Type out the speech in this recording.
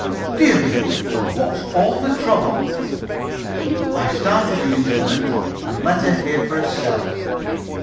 "Dear me! what's all the trouble?" I started the instrument, and let her hear for herself.